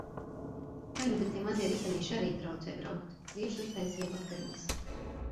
Ai, nu bet tie mazie ritenīši arī traucē braukt. Vīrs uztaisīja vakariņas.